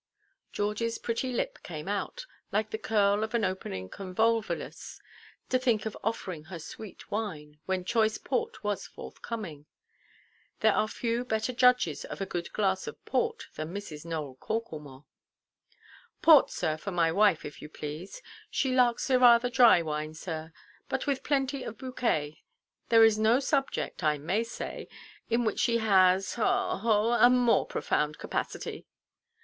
Georgieʼs pretty lip came out, like the curl of an opening convolvulus; to think of offering her sweet wine, when choice port was forthcoming. There are few better judges of a good glass of port than Mrs. Nowell Corklemore. "Port, sir, for my wife, if you please. She likes a rather dry wine, sir, but with plenty of bouquet. There is no subject, I may say, in which she has—ha, haw—a more profound capacity."